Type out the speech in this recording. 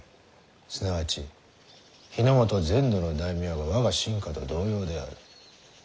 すなわち日ノ本全土の大名が我が臣下と同様である。